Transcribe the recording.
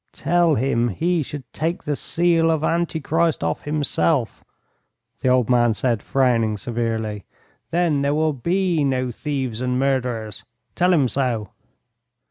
"Tell him he should take the seal of Antichrist off himself," the old man said, frowning severely; "then there will be no thieves and murderers. Tell him so."